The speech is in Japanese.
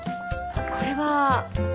これは。